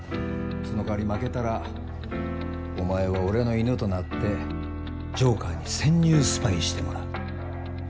その代わり負けたらお前は俺の犬となってジョーカーに潜入スパイしてもらう。